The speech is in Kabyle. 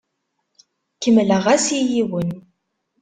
Kemmleɣ-as i yiwen.